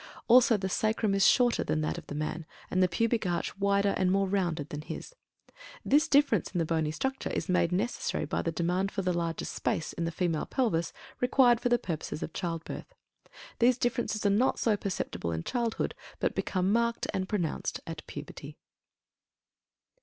Also, the Sacrum is shorter than that of the man, and the Pubic Arch wider and more rounded than his. This difference in the bony structure is made necessary by the demand for larger space in the female Pelvis required for the purposes of childbirth. These differences are not so perceptible in childhood, but become marked and pronounced at puberty.